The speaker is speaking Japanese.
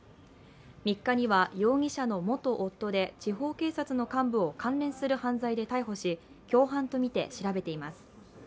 ３日には容疑者の元夫で地方警察の幹部を関連する犯罪で逮捕し、共犯とみて調べています。